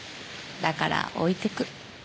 だから置いてく。